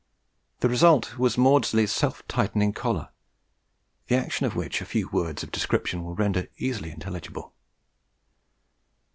The result was Maudslay's self tightening collar, the action of which a few words of description will render easily intelligible.